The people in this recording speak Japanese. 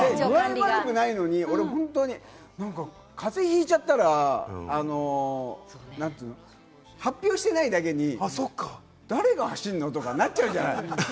悪くないのに俺、本当に風邪ひいちゃったら、発表してないだけに、誰が走るの？とかなっちゃうじゃない。